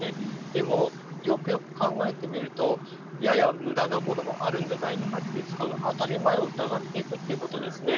でも、よくよく考えてみるとややむだなものもあるんじゃないのかっていう当たり前を疑っていくっていうことですね。